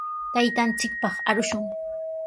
Taytanchikpaq arushun.